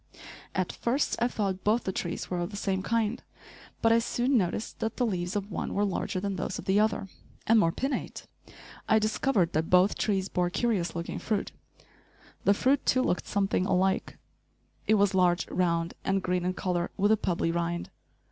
At first I thought both the trees were of the same kind, but I soon noticed that the leaves of one were larger than those of the other, and more pinnate. I discovered that both trees bore curious looking fruit. The fruit, too, looked something alike. It was large, round, and green in color, with a pebbly rind.